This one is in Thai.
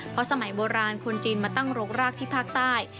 เพราะสมัยโบราณคนจีนมาตั้งรกรากที่ภาคใต้